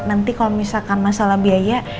nanti kalau misalkan masalah biaya